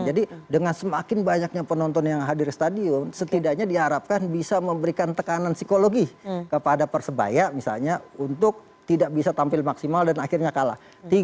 jadi dengan semakin banyaknya penonton yang hadir di stadion setidaknya diharapkan bisa memberikan tekanan psikologi kepada persebaya misalnya untuk tidak bisa tampil maksimal dan akhirnya kalah